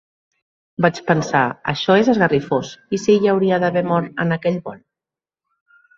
Vaig pensar, això és esgarrifós, ¿i si ella hauria d'haver mort en aquell vol?